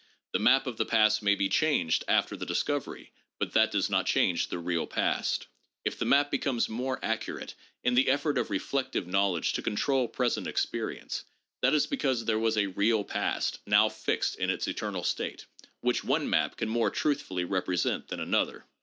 The map of the past may be changed after the discovery, but that does not change the real past. If the map becomes more accurate in the effort of reflective knowledge to control present experience, that is because there was a real past, now fixed in its eternal state, which one map can more truthfully represent than another.